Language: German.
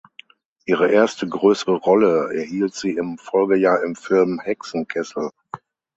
Ihre erste größere Rolle erhielt sie im Folgejahr im Film "Hexenkessel".